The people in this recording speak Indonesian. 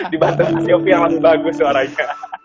di batang shofie yang bagus suaranya